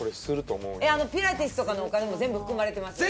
あのピラティスとかのお金も全部含まれてますよね？